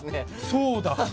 そうだ。